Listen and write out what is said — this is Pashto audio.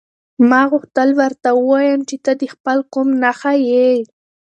ما غوښتل ورته ووایم چې ته د خپل قوم نښه یې.